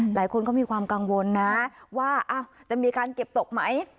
หลายคนก็มีความกังวลนะว่าจะมีการเก็บตกไหม